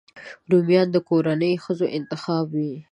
رومیان د کورنۍ ښځو انتخاب وي